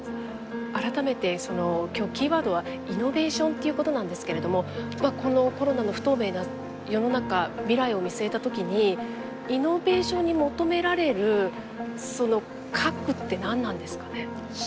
改めて今日キーワードは「イノベーション」ということなんですけれどもこのコロナの不透明な世の中未来を見据えた時にイノベーションに求められる核って何なんですかね？